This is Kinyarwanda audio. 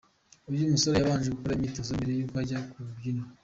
Uyu musore yabanje gukora imyitozo mbere y'uko ajya ku rubyiniro.